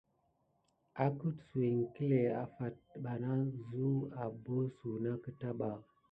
Akəɗsuw iŋkle afata suna abosuna kita ɓà.